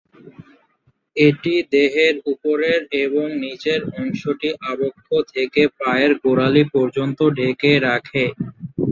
এটি দেহের উপরের এবং নীচের অংশটি আবক্ষ থেকে পায়ের গোড়ালি পর্যন্ত ঢেকে রাখে।